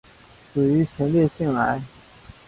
死于前列腺癌。